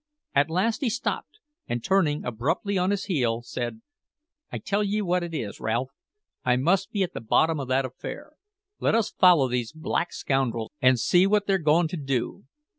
At last he stopped, and turning abruptly on his heel, said: "I tell ye what it is, Ralph: I must be at the bottom o' that affair. Let us follow these black scoundrels and see what they're goin' to do."